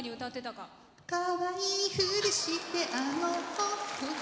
「かわいいふりしてあの子」